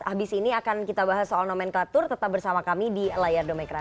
habis ini akan kita bahas soal nomenklatur tetap bersama kami di layar demokrasi